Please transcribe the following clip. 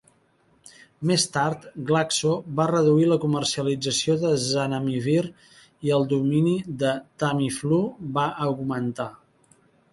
Més tard, Glaxo va reduir la comercialització de zanamivir, i el domini de Tamiflu va augmentar.